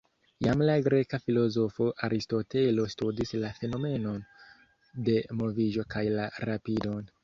Jam la greka filozofo Aristotelo studis la fenomenon de moviĝo kaj la rapidon.